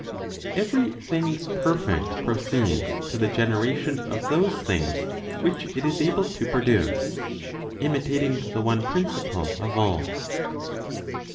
Every thing perfect proceeds to the generation of those things which it is able to produce, imitating the one principle of all.